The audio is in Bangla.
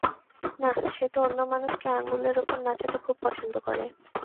নাহ, সে তো অন্য মানুষকে আঙুলের ওপর নাচাতে খুব পছন্দ করে।